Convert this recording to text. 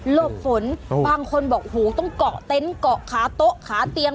ลบฝนบางคนบอกหูต้องเกาะเต็นต์เกาะขาโต๊ะขาเตียง